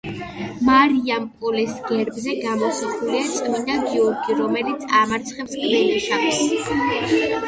მარიამპოლეს გერბზე გამოსახულია წმინდა გიორგი, რომელიც ამარცხებს გველეშაპს.